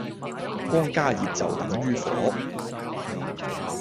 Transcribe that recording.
光加熱就等於火